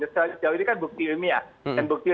sejauh ini kan bukti ilmiah dan bukti